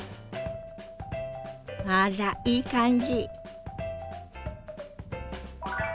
あらいい感じ。